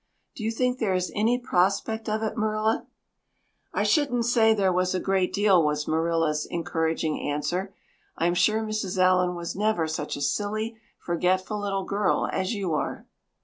Do you think there is any prospect of it, Marilla?" "I shouldn't say there was a great deal" was Marilla's encouraging answer. "I'm sure Mrs. Allan was never such a silly, forgetful little girl as you are."